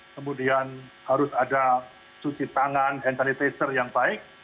kemudian harus ada cuci tangan hand sanitizer yang baik